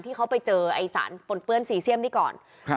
ที่เขาไปเจอสารปนเปื้อนซีเซียมนี้ก่อน